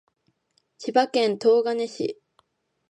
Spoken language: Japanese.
千葉県東金市